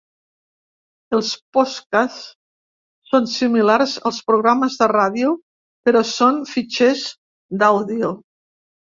Els podcasts són similars als programes de ràdio, però són fitxers d'àudio.